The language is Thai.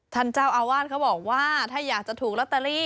ท่านเจ้าอาวาสเขาบอกว่าถ้าอยากจะถูกลอตเตอรี่